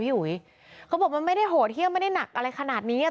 พี่หุยเขาบอกมันไม่ได้โหเที่ยมไม่ได้หนักอะไรขนาดนี้เนี้ย